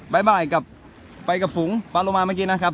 บ๊ายบายกับไปกับฝุงปลาโลมาเมื่อกี้นะครับ